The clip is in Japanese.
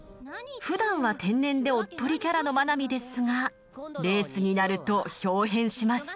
ふだんは天然でおっとりキャラの真波ですがレースになるとひょう変します。